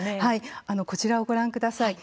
こちらをご覧ください。